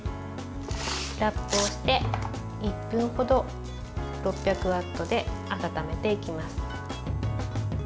ラップをして、１分ほど６００ワットで温めていきます。